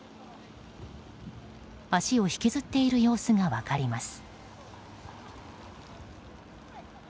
足を引きずっている様子が分かります。